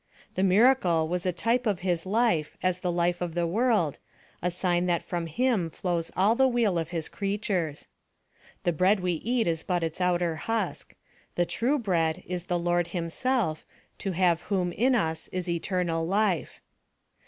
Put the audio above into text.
The miracle was a type of his life as the life of the world, a sign that from him flows all the weal of his creatures. The bread we eat is but its outer husk: the true bread is the Lord himself, to have whom in us is eternal life.